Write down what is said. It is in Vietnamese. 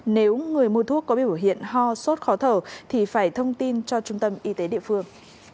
nếu người mua thuốc có biểu hiện ho sốt khó thở thì phải thông tin cho trung tâm y tế địa phương